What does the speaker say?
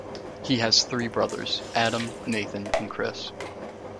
He has three brothers - Adam, Nathan, and Chris.